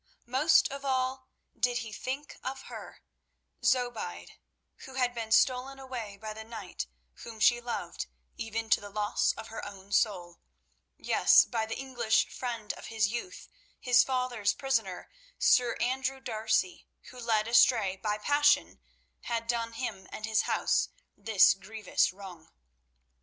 Most of all did he think of her, Zobeide, who had been stolen away by the knight whom she loved even to the loss of her own soul—yes, by the English friend of his youth, his father's prisoner, Sir Andrew D'Arcy, who, led astray by passion, had done him and his house this grievous wrong.